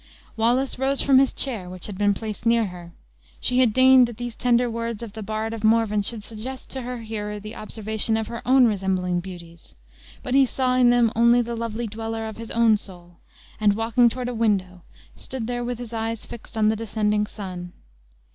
Wallace rose from his chair, which had been placed near her. She had deigned that these tender words of the bard of Morven should suggest to her hearer the observation of her own resembling beauties. But he saw in them only the lovely dweller of his own soul; and walking toward a window, stood there with his eyes fixed on the descending sun.